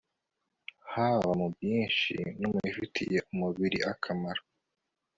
haba mu bwinshi no mu bifitiye umubiri akamaro